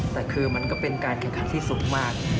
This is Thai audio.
แต่คือมันก็เป็นการแข่งขันที่สูงมาก